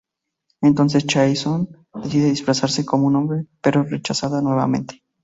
Entonces Chae-seon decide disfrazarse como un hombre, pero es rechazada nuevamente.